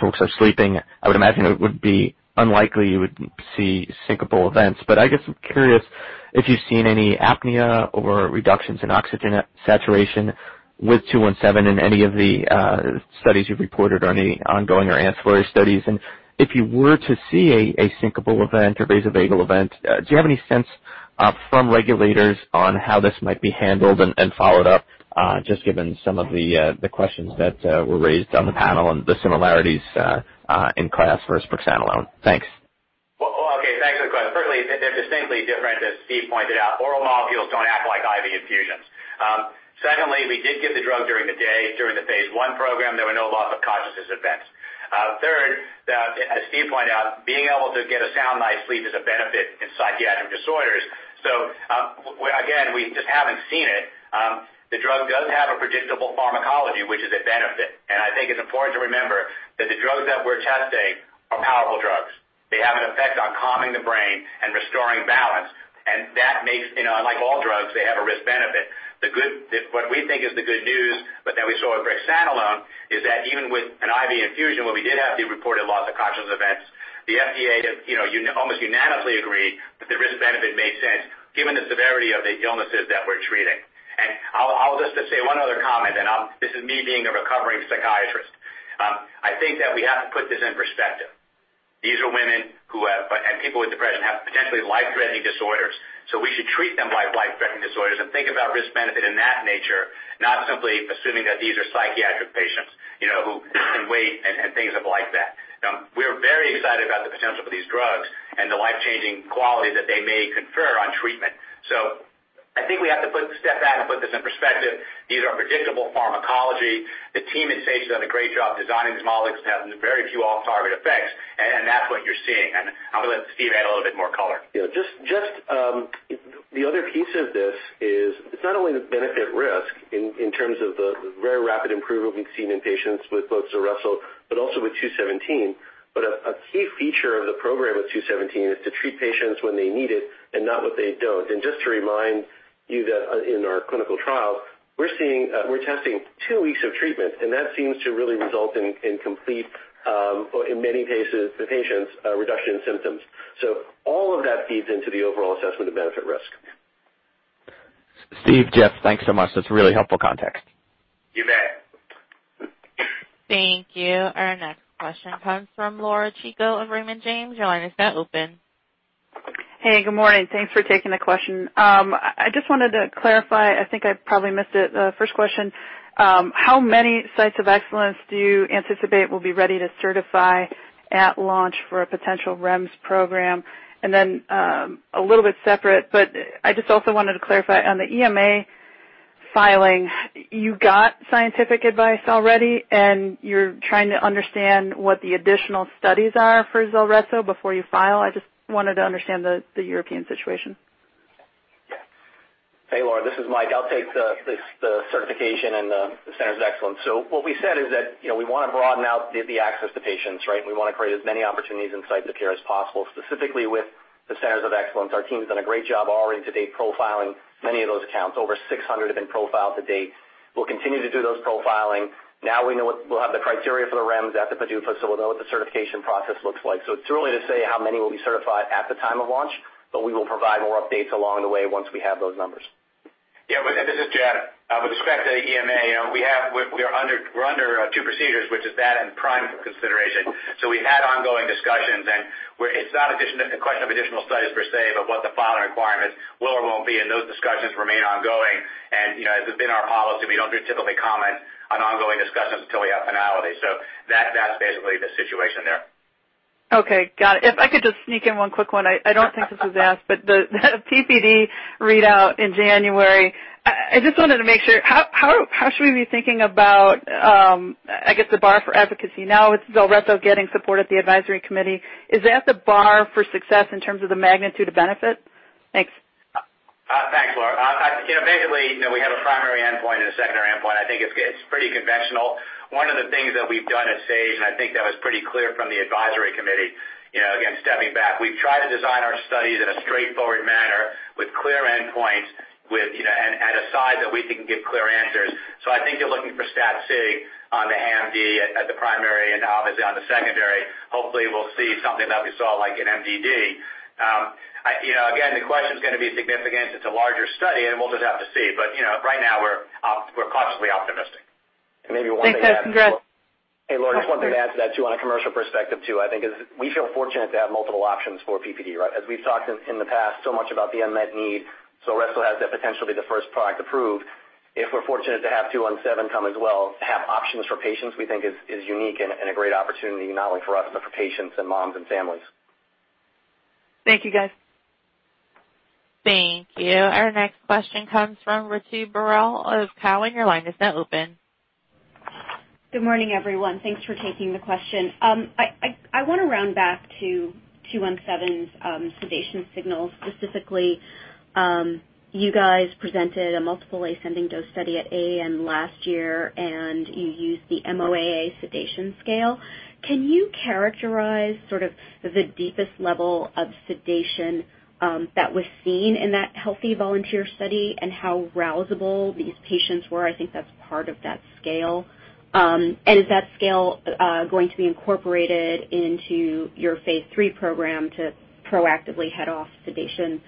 folks are sleeping, I would imagine it would be unlikely you would see syncopal events. I guess I'm curious if you've seen any apnea or reductions in oxygen saturation with 217 in any of the studies you've reported or any ongoing or ancillary studies. If you were to see a syncopal event or vasovagal event, do you have any sense from regulators on how this might be handled and followed up? Just given some of the questions that were raised on the panel and the similarities in class versus brexanolone. Thanks. Well, okay. Thanks for the question. Firstly, they're distinctly different, as Steve pointed out. Oral molecules don't act like IV infusions. Secondly, we did give the drug during the day. During the phase I program, there were no loss of consciousness events. Third, as Steve pointed out, being able to get a sound night's sleep is a benefit in psychiatric disorders. Again, we just haven't seen it. The drug does have a predictable pharmacology, which is a benefit. I think it's important to remember that the drugs that we're testing are powerful drugs. They have an effect on calming the brain and restoring balance, and that makes, like all drugs, they have a risk-benefit. What we think is the good news, but that we saw with brexanolone, is that even with an IV infusion where we did have the reported loss of conscious events, the FDA almost unanimously agreed that the risk benefit made sense given the severity of the illnesses that we're treating. I'll just say one other comment, and this is me being a recovering psychiatrist. I think that we have to put this in perspective. These are women and people with depression have potentially life-threatening disorders. We should treat them like life-threatening disorders and think about risk benefit in that nature, not simply assuming that these are psychiatric patients, who can wait and things of like that. We're very excited about the potential for these drugs and the life-changing quality that they may confer on treatment. I think we have to step back and put this in perspective. These are predictable pharmacology. The team at Sage has done a great job designing these molecules to have very few off-target effects, and that's what you're seeing. I'm going to let Steve add a little bit more color. Just the other piece of this is it's not only the benefit risk in terms of the very rapid improvement we've seen in patients with both ZULRESSO but also with 217. A key feature of the program with 217 is to treat patients when they need it and not when they don't. Just to remind you that in our clinical trial, we're testing two weeks of treatment, and that seems to really result in complete, in many cases, the patient's reduction in symptoms. All of that feeds into the overall assessment of benefit risk. Steve, Jeff, thanks so much. That's really helpful context. You bet. Thank you. Our next question comes from Laura Chico of Raymond James. Your line is now open. Hey, good morning. Thanks for taking the question. I just wanted to clarify, I think I probably missed it, the first question, how many sites of excellence do you anticipate will be ready to certify at launch for a potential REMS program? A little bit separate, I just also wanted to clarify, on the EMA filing, you got scientific advice already, and you're trying to understand what the additional studies are for ZULRESSO before you file? I just wanted to understand the European situation. Hey, Laura. This is Mike. I'll take the certification and the centers of excellence. What we said is that we want to broaden out the access to patients, right? We want to create as many opportunities in sites of care as possible, specifically with the centers of excellence. Our team has done a great job already to date profiling many of those accounts. Over 600 have been profiled to date. We'll continue to do those profiling. We know we'll have the criteria for the REMS at the PDUFA, we'll know what the certification process looks like. It's too early to say how many will be certified at the time of launch, we will provide more updates along the way once we have those numbers. Yeah. This is Jeff Jonas. With respect to EMA, we're under two procedures, which is that and prime consideration. We've had ongoing discussions, and it's not a question of additional studies per se, but what the filing requirements will or won't be, and those discussions remain ongoing. As has been our policy, we don't typically comment on ongoing discussions until we have finality. That's basically the situation there. Okay, got it. If I could just sneak in one quick one. I don't think this was asked, but the PPD readout in January, I just wanted to make sure, how should we be thinking about the bar for efficacy now with ZULRESSO getting support at the advisory committee? Is that the bar for success in terms of the magnitude of benefit? Thanks. Thanks, Laura Chico. Basically, we have a primary endpoint and a secondary endpoint. I think it's pretty conventional. One of the things that we've done at Sage, and I think that was pretty clear from the advisory committee, again, stepping back, we've tried to design our studies in a straightforward manner with clear endpoints, at a size that we think can give clear answers. I think you're looking for stat sig on the HAM-D at the primary and obviously on the secondary. Hopefully, we'll see something that we saw like in MDD. Again, the question's going to be significance. It's a larger study, and we'll just have to see. Right now, we're cautiously optimistic. Thanks, guys. Congrats. Hey, Laura, just one thing to add to that, too, on a commercial perspective, too, I think we feel fortunate to have multiple options for PPD, right? As we've talked in the past so much about the unmet need, ZULRESSO has the potential to be the first product approved. If we're fortunate to have two-one-seven come as well, to have options for patients we think is unique and a great opportunity not only for us, but for patients and moms and families. Thank you, guys. Thank you. Our next question comes from Ritu Baral of Cowen. Your line is now open. Good morning, everyone. Thanks for taking the question. I want to round back to two-one-seven's sedation signals, specifically, you guys presented a multiple ascending dose study at AAN last year, and you used the MOAA sedation scale. Can you characterize sort of the deepest level of sedation that was seen in that healthy volunteer study and how rousable these patients were? I think that's part of that scale. Is that scale going to be incorporated into your phase III program to proactively head off sedation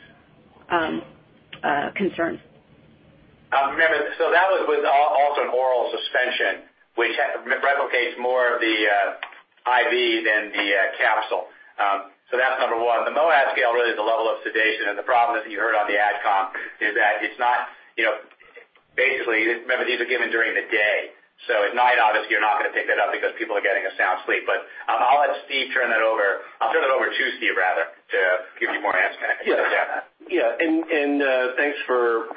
concerns? Remember, that was with also an oral suspension, which replicates more of the IV than the capsule. That's number one. The MOAA scale really is the level of sedation. The problem, as you heard on the AdCom, is that it's not, basically, remember, these are given during the day. At night, obviously, you're not going to pick that up because people are getting a sound sleep. I'll let Steve turn that over. I'll turn it over to Steve, rather, to give you more answer on that. Yeah. Thanks for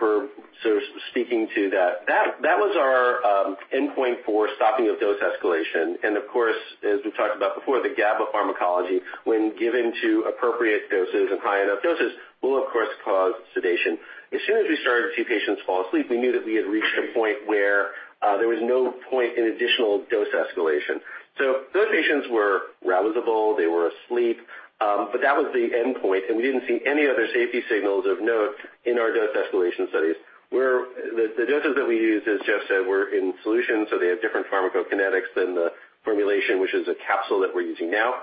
speaking to that. That was our endpoint for stopping of dose escalation. Of course, as we've talked about before, the GABA pharmacology, when given to appropriate doses and high enough doses, will of course cause sedation. As soon as we started to see patients fall asleep, we knew that we had reached a point where there was no point in additional dose escalation. Those patients were rousable, they were asleep. That was the endpoint. We didn't see any other safety signals of note in our dose escalation studies. The doses that we used, as Jeff said, were in solution, so they have different pharmacokinetics than the formulation, which is a capsule that we're using now.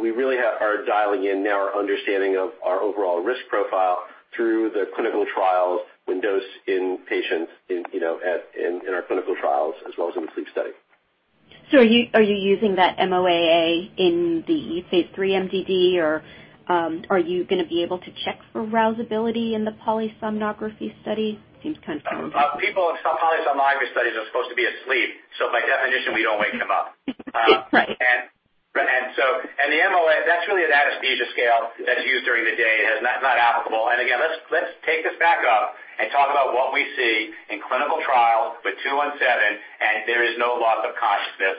We really are dialing in now our understanding of our overall risk profile through the clinical trials when dosed in patients in our clinical trials as well as in the sleep study. Are you using that MOAA in the phase III MDD, or are you going to be able to check for rousability in the polysomnography study? Polysomnography studies are supposed to be asleep. By definition, we don't wake them up. Right. The MOAA/S, that's really that anesthesia scale that's used during the day. It is not applicable. Again, let's take this back up and talk about what we see in clinical trials with SAGE-217. There is no loss of consciousness.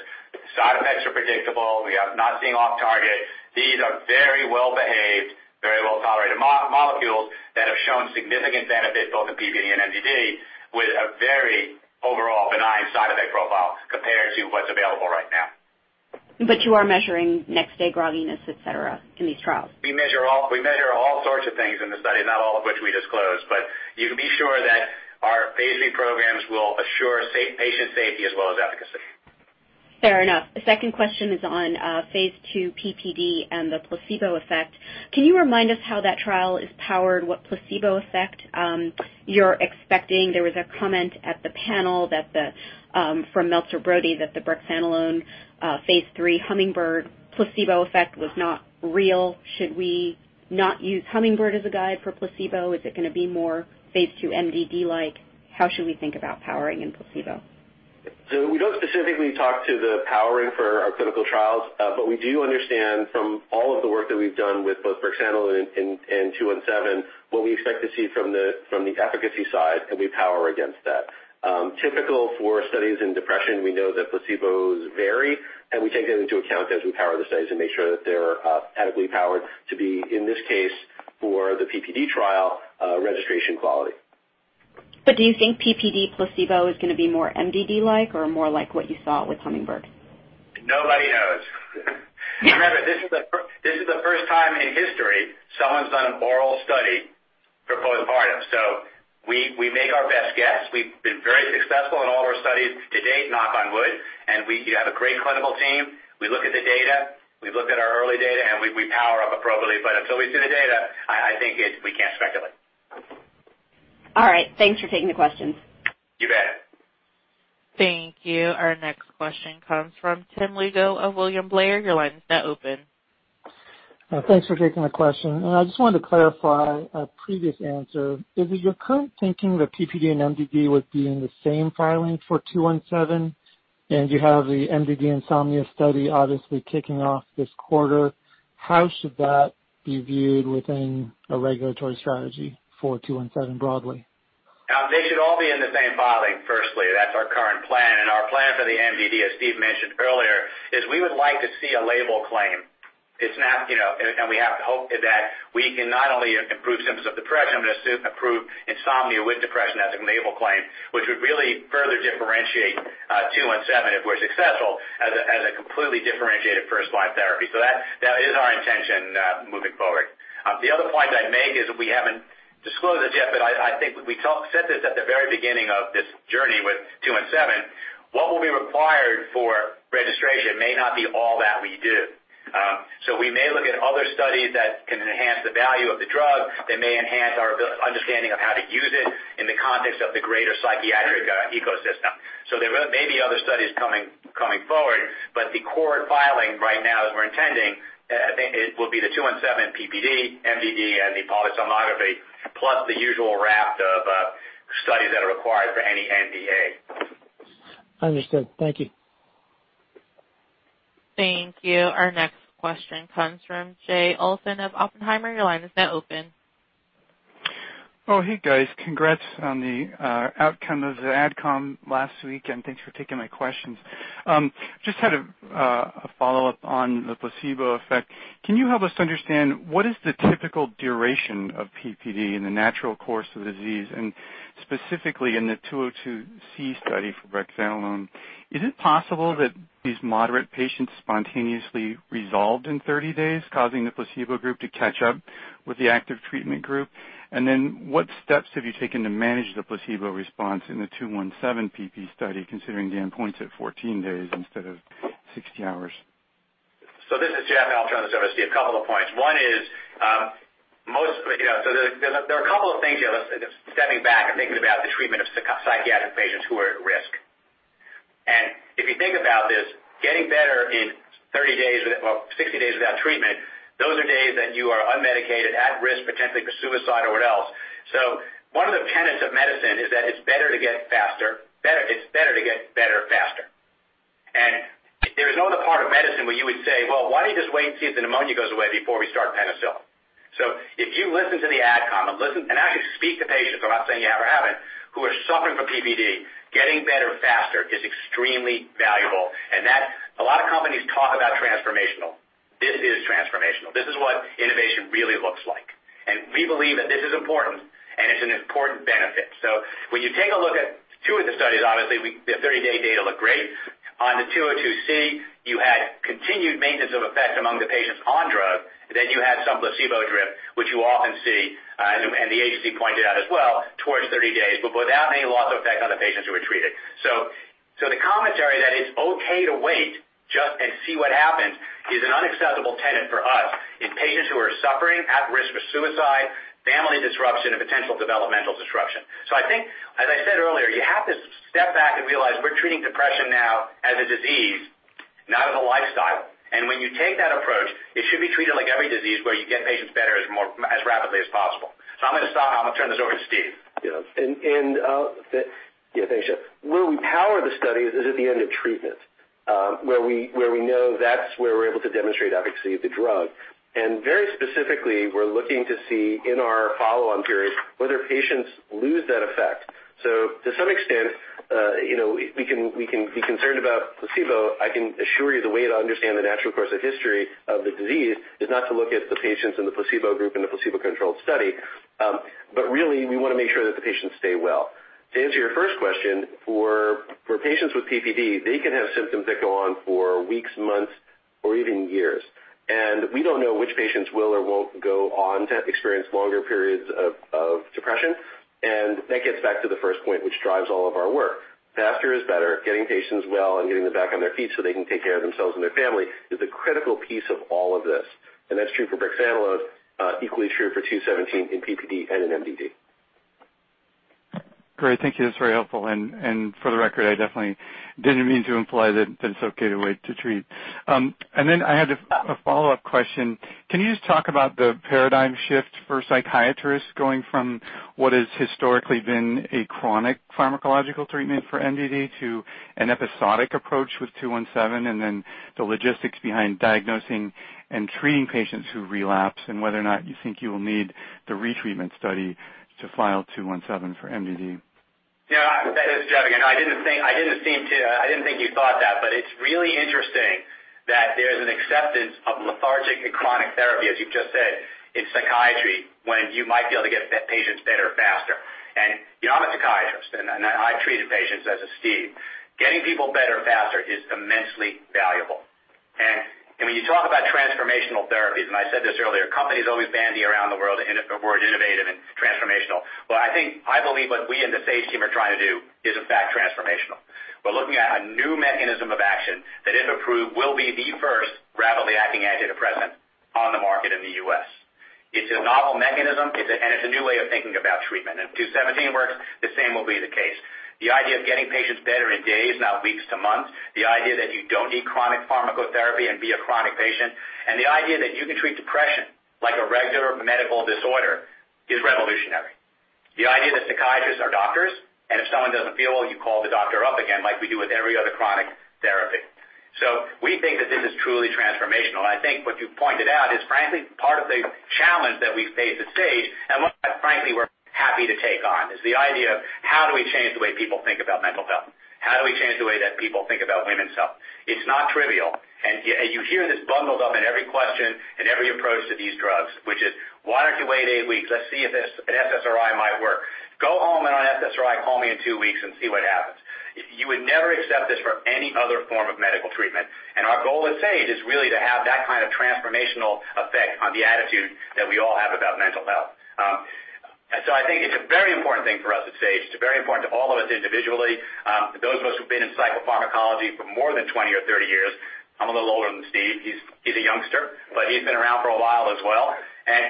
Side effects are predictable. We are not seeing off target. These are very well-behaved, very well-tolerated molecules that have shown significant benefit both in PPD and MDD with a very overall benign side effect profile compared to what's available right now. You are measuring next day grogginess, et cetera, in these trials? We measure all sorts of things in the study, not all of which we disclose. Programs will assure patient safety as well as efficacy. Fair enough. The second question is on phase II PPD and the placebo effect. Can you remind us how that trial is powered? What placebo effect you're expecting? There was a comment at the panel from Meltzer-Brody that the brexanolone phase III Hummingbird placebo effect was not real. Should we not use Hummingbird as a guide for placebo? Is it going to be more phase II MDD-like? How should we think about powering and placebo? We don't specifically talk to the powering for our clinical trials, but we do understand from all of the work that we've done with both brexanolone and 217, what we expect to see from the efficacy side, and we power against that. Typical for studies in depression, we know that placebos vary, and we take that into account as we power the studies and make sure that they're adequately powered to be, in this case, for the PPD trial, registration quality. Do you think PPD placebo is going to be more MDD-like or more like what you saw with Hummingbird? Nobody knows. Remember, this is the first time in history someone's done an oral study for postpartum. We make our best guess. We've been very successful in all of our studies to date, knock on wood. We have a great clinical team. We look at the data. We've looked at our early data, and we power up appropriately. Until we see the data, I think we can't speculate. All right. Thanks for taking the questions. You bet. Thank you. Our next question comes from Tim Lugo of William Blair. Your line is now open. Thanks for taking my question. I just wanted to clarify a previous answer. Is it your current thinking that PPD and MDD would be in the same filing for 217, and you have the MDD insomnia study obviously kicking off this quarter. How should that be viewed within a regulatory strategy for 217 broadly? They should all be in the same filing, firstly. That's our current plan. Our plan for the MDD, as Steve mentioned earlier, is we would like to see a label claim. We have hope that we can not only improve symptoms of depression but improve insomnia with depression as a label claim, which would really further differentiate 217 if we're successful as a completely differentiated first-line therapy. That is our intention moving forward. The other point I'd make is that we haven't disclosed this yet, but I think we said this at the very beginning of this journey with 217. What will be required for registration may not be all that we do. We may look at other studies that can enhance the value of the drug. They may enhance our understanding of how to use it in the context of the greater psychiatric ecosystem. There may be other studies coming forward, but the core filing right now, as we're intending, I think it will be the 217 PPD, MDD, and the polysomnography, plus the usual raft of studies that are required for any NDA. Understood. Thank you. Thank you. Our next question comes from Jay Olson of Oppenheimer. Your line is now open. Oh, hey, guys. Congrats on the outcome of the AdCom last week, and thanks for taking my questions. Just had a follow-up on the placebo effect. Can you help us understand what is the typical duration of PPD in the natural course of the disease, and specifically in the Study 202C for brexanolone? Is it possible that these moderate patients spontaneously resolved in 30 days, causing the placebo group to catch up with the active treatment group? What steps have you taken to manage the placebo response in the SAGE-217 PPD study, considering the endpoint's at 14 days instead of 60 hours? This is Jeff. I'll turn this over to Steve. A couple of points. One is, there are a couple of things, stepping back and thinking about the treatment of psychiatric patients who are at risk. If you think about this, getting better in 30 days or 60 days without treatment, those are days that you are unmedicated, at risk, potentially for suicide or what else. One of the tenets of medicine is that it's better to get better faster. There is no other part of medicine where you would say, "Well, why don't you just wait and see if the pneumonia goes away before we start penicillin?" If you listen to the AdCom and actually speak to patients, I'm not saying you ever haven't, who are suffering from PPD, getting better faster is extremely valuable. A lot of companies talk about transformational. This is transformational. This is what innovation really looks like. We believe that this is important and it's an important benefit. When you take a look at two of the studies, obviously, the 30-day data look great. On the Study 202C, you had continued maintenance of effect among the patients on drug. You had some placebo drift, which you often see, and the agency pointed out as well, towards 30 days, but without any loss of effect on the patients who were treated. The commentary that it's okay to wait just and see what happens is an unacceptable tenet for us in patients who are suffering, at risk for suicide, family disruption, and potential developmental disruption. I think, as I said earlier, you have to step back and realize we're treating depression now as a disease, not as a lifestyle. When you take that approach, it should be treated like every disease where you get patients better as rapidly as possible. I'm going to stop, and I'm going to turn this over to Steve. Yeah. Yeah, thanks, Jeff. Where we power the studies is at the end of treatment, where we know that's where we're able to demonstrate efficacy of the drug. Very specifically, we're looking to see in our follow-on period whether patients lose that effect. To some extent, we can be concerned about placebo. I can assure you the way to understand the natural course of history of the disease is not to look at the patients in the placebo group in the placebo-controlled study. Really, we want to make sure that the patients stay well. To answer your first question, for patients with PPD, they can have symptoms that go on for weeks, months, or even years. We don't know which patients will or won't go on to experience longer periods of depression. That gets back to the first point, which drives all of our work. Faster is better. Getting patients well and getting them back on their feet so they can take care of themselves and their family is a critical piece of all of this. That's true for brexanolone, equally true for 217 in PPD and in MDD. Great. Thank you. That's very helpful. For the record, I definitely didn't mean to imply that it's okay to wait to treat. I had a follow-up question. Can you just talk about the paradigm shift for psychiatrists going from what has historically been a chronic pharmacological treatment for MDD to an episodic approach with 217, the logistics behind diagnosing and treating patients who relapse, and whether or not you think you will need the retreatment study to file 217 for MDD? Yeah, that is Jeff again. I didn't think you thought that, it's really interesting that there's an acceptance of lethargic and chronic therapy, as you just said, in psychiatry, when you might be able to get patients better faster. I'm a psychiatrist, I treated patients as has Steve. Getting people better faster is immensely valuable. When you talk about transformational therapies, I said this earlier, companies always bandy around the word innovative and transformational. I think, I believe what we in the Sage team are trying to do is in fact transformational. We're looking at a new mechanism of action that, if approved, will be the first rapidly acting antidepressant on the market in the U.S. It's a novel mechanism, it's a new way of thinking about treatment. If 217 works, the same will be the case. The idea of getting patients better in days, not weeks to months, the idea that you don't need chronic pharmacotherapy, be a chronic patient, the idea that you can treat depression like a regular medical disorder is revolutionary. The idea that psychiatrists are doctors, if someone doesn't feel well, you call the doctor up again like we do with every other chronic therapy. We think that this is truly transformational. I think what you pointed out is frankly part of the challenge that we face at Sage and one that frankly we're happy to take on, is the idea of how do we change the way people think about mental health? How do we change the way that people think about women's health? It's not trivial. You hear this bundled up in every question and every approach to these drugs, which is, "Why don't you wait eight weeks? Let's see if an SSRI might work. Go home on an SSRI, call me in two weeks and see what happens." You would never accept this for any other form of medical treatment. Our goal at Sage is really to have that kind of transformational effect on the attitude that we all have about mental health. I think it's a very important thing for us at Sage. It's very important to all of us individually. Those of us who've been in psychopharmacology for more than 20 or 30 years, I'm a little older than Steve. He's a youngster, but he's been around for a while as well.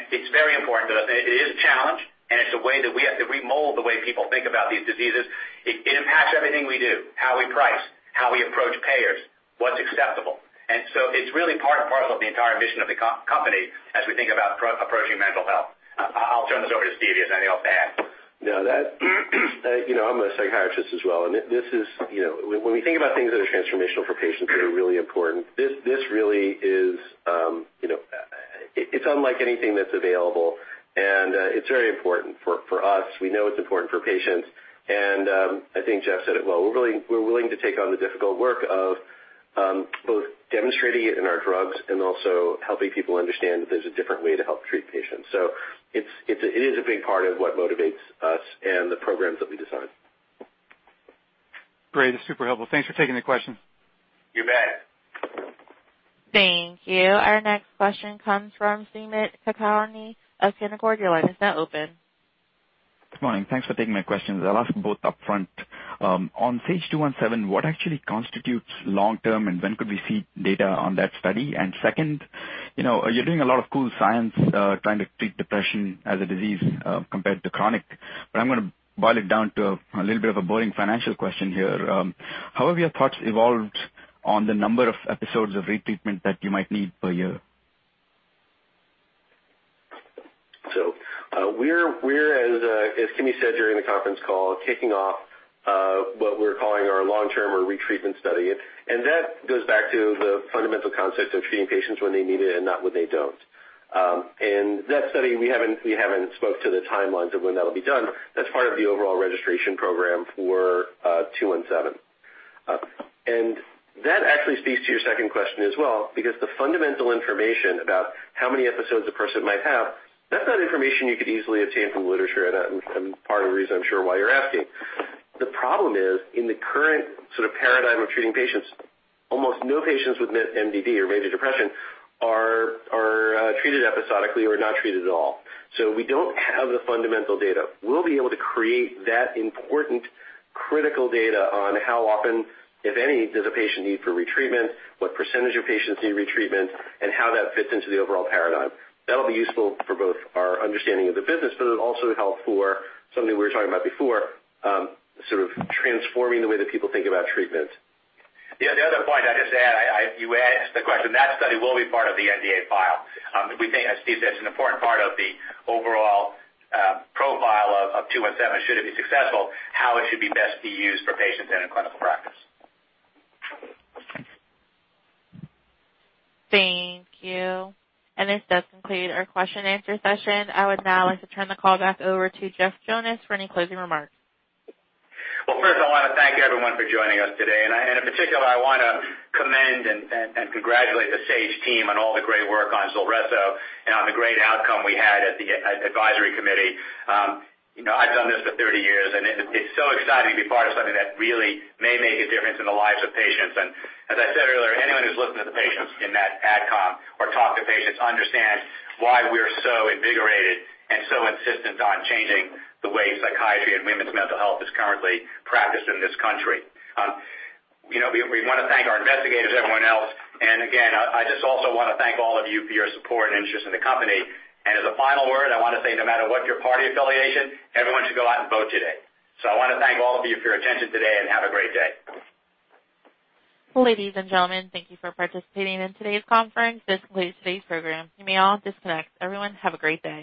It's very important to us. It is a challenge, it's a way that we have to remold the way people think about these diseases. It impacts everything we do, how we price, how we approach payers, what's acceptable. It's really part and parcel of the entire mission of the company as we think about approaching mental health. I'll turn this over to Steve. He has anything else to add. No. I'm a psychiatrist as well. When we think about things that are transformational for patients that are really important, this really is unlike anything that's available, it's very important for us. We know it's important for patients. I think Jeff said it well. We're willing to take on the difficult work of both demonstrating it in our drugs and also helping people understand that there's a different way to help treat patients. It is a big part of what motivates us and the programs that we design. Great. It's super helpful. Thanks for taking the question. You bet. Thank you. Our next question comes from Sumit Khedekar of Citi. Your line is now open. Good morning. Thanks for taking my questions. I'll ask both upfront. On SAGE-217, what actually constitutes long-term, and when could we see data on that study? Second, you're doing a lot of cool science trying to treat depression as a disease compared to chronic, I'm going to boil it down to a little bit of a boring financial question here. How have your thoughts evolved on the number of episodes of retreatment that you might need per year? We're, as Kimi said during the conference call, kicking off what we're calling our long-term or retreatment study. That goes back to the fundamental concept of treating patients when they need it and not when they don't. That study, we haven't spoke to the timelines of when that'll be done. That's part of the overall registration program for SAGE-217. That actually speaks to your second question as well because the fundamental information about how many episodes a person might have, that's not information you could easily obtain from literature, and part of the reason I'm sure why you're asking. The problem is, in the current sort of paradigm of treating patients, almost no patients with MDD or major depression are treated episodically or not treated at all. We don't have the fundamental data. We will be able to create that important critical data on how often, if any, does a patient need for retreatment, what percentage of patients need retreatment, and how that fits into the overall paradigm. That will be useful for both our understanding of the business, but it will also help for something we were talking about before, sort of transforming the way that people think about treatment. Yeah. The other point I would just add, you asked the question. That study will be part of the NDA file. We think, as Steve said, it is an important part of the overall profile of SAGE-217 and should it be successful, how it should be best be used for patients in a clinical practice. Thank you. This does conclude our question and answer session. I would now like to turn the call back over to Jeff Jonas for any closing remarks. Well, first, I want to thank everyone for joining us today. In particular, I want to commend and congratulate the Sage team on all the great work on ZULRESSO and on the great outcome we had at the Advisory Committee. I have done this for 30 years, it is so exciting to be part of something that really may make a difference in the lives of patients. As I said earlier, anyone who is looked at the patients in that AdCom or talked to patients understands why we are so invigorated and so insistent on changing the way psychiatry and women's mental health is currently practiced in this country. We want to thank our investigators, everyone else. Again, I just also want to thank all of you for your support and interest in the company. As a final word, I want to say, no matter what your party affiliation, everyone should go out and vote today. I want to thank all of you for your attention today, and have a great day. Ladies and gentlemen, thank you for participating in today's conference. This concludes today's program. You may all disconnect. Everyone, have a great day.